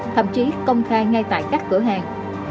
thậm chí công khai ngay tại các cửa hàng